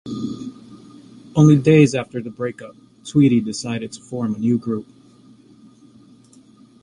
Only days after the breakup, Tweedy decided to form a new group.